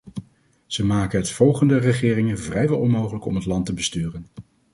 Ze maken het volgende regeringen vrijwel onmogelijk om het land te besturen.